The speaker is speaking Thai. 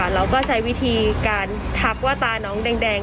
เราก็ใช้วิธีการทักว่าตาน้องแดง